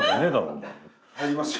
入りますよ。